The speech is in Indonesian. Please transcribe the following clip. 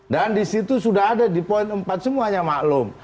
dan disitu sudah ada di poin empat semuanya maklum